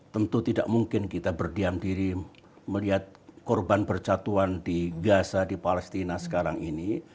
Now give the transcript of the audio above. tentu tidak mungkin kita berdiam diri melihat korban percatuan di gaza di palestina sekarang ini